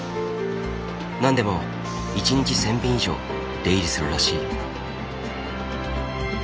何でも１日１，０００便以上出入りするらしい。